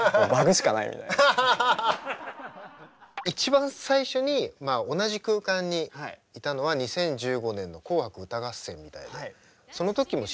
一番最初に同じ空間にいたのは２０１５年の「紅白歌合戦」みたいでその時も審査員？